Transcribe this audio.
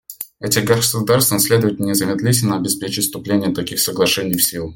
Этим государствам следует незамедлительно обеспечить вступление таких соглашений в силу.